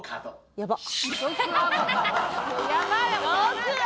やばっ。